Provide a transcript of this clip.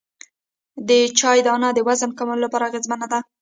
د چیا دانه د وزن کمولو لپاره اغیزمنه ده